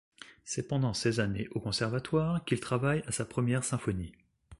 C'est pendant ses années au conservatoire qu'il travaille à sa première symphonie.